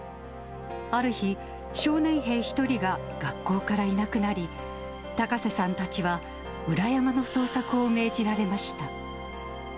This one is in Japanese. ある日、少年兵１人が学校からいなくなり、高瀬さんたちは裏山の捜索を命じられました。